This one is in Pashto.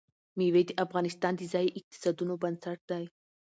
مېوې د افغانستان د ځایي اقتصادونو بنسټ دی.